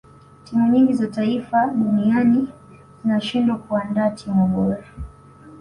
timu nyingi za taifa duninai zinashindwa kuandaa timu bora